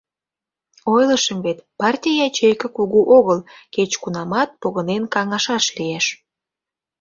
Ойлышым вет: партий ячейке кугу огыл, кеч-кунамат погынен каҥашаш лиеш.